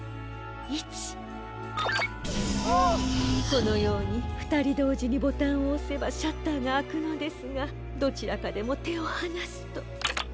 このようにふたりどうじにボタンをおせばシャッターがあくのですがどちらかでもてをはなすと。